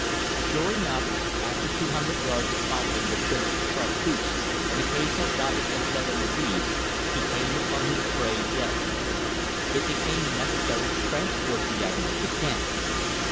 Sure enough, after two hundred yards of following the prints of sharp hoofs and occasional gobbets of blood on the leaves, he came upon his prey dead. It became necessary to transport the animal to camp.